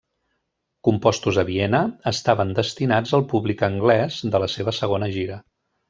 Compostos a Viena, estaven destinats al públic anglès de la seva segona gira.